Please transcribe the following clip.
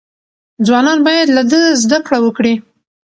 ځوانان باید له ده زده کړه وکړي.